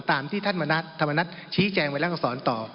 ตามที่ท่านมณัฐท่านมณัฐชี้แจงไว้แล้วก็สอนต่อ